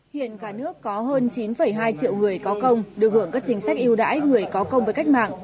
hiện cả nước có hơn chín hai triệu người có công được hưởng các chính sách yêu đãi người có công với cách mạng